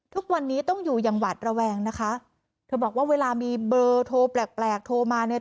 ทุกวันนี้ต้องอยู่อย่างหวัดระแวงนะคะเธอบอกว่าเวลามีเบอร์โทรแปลกแปลกโทรมาเนี่ย